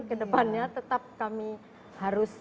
ke depannya tetap kami harus